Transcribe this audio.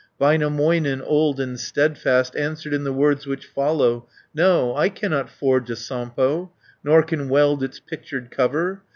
Väinämöinen, old and steadfast, Answered in the words which follow: "No, I cannot forge a Sampo, Nor can weld its pictured cover.